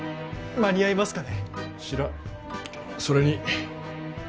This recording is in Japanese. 間に合いますかね？